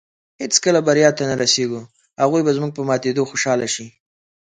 هېڅکله بریا ته نۀ رسېږو. هغوی به زموږ په ماتېدو خوشحاله شي